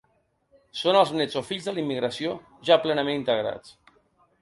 Són els néts o fills de la immigració, ja plenament integrats.